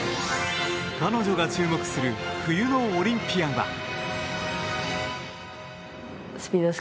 彼女が注目する冬のオリンピアンは。